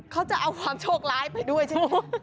เขาจะเอาความโชคร้ายไปด้วยใช่ไหม